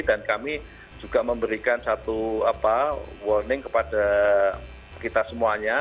dan kami juga memberikan satu warning kepada kita semuanya